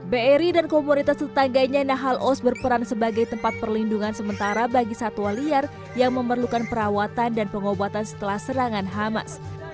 bri dan komunitas tetangganya nahal oz berperan sebagai tempat perlindungan sementara bagi satwa liar yang memerlukan perawatan dan pengobatan setelah serangan hamas